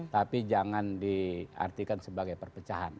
tapi jangan di artikan sebagai perpecahan